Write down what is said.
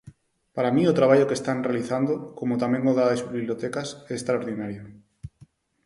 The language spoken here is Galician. Para min o traballo que están realizando, como tamén o das bibliotecas, é extraordinario.